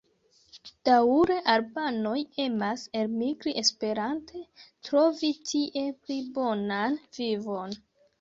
Daŭre albanoj emas elmigri esperante trovi tie pli bonan vivon.